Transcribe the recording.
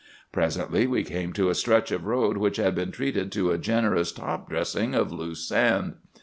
"Presently we came to a stretch of road which had been treated to a generous top dressing of loose sand.